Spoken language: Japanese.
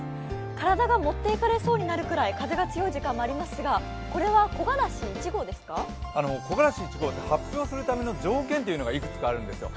体がもっていかれそうになるくらい風が強い時間がありますが木枯らし１号、発表するために条件というのがいくつかあるんですよ。